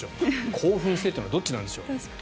興奮していたのはどっちなんでしょう。